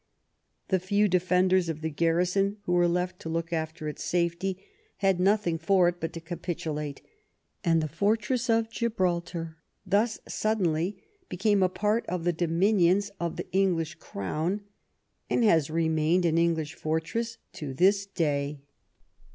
The few defenders of the garrison who were left to look after its safety had nothing for it but to capitulate, and the fortress of Gibraltar thus suddenly became a part of the dominions of the English crown, and has remained an English fortress to this day.